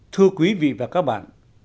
thưa quý vị và các bạn